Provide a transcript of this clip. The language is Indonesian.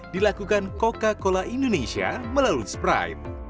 dilakukan coca cola indonesia melalui sprite